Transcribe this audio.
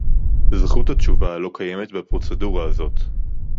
זכות התשובה לא קיימת בפרוצדורה הזאת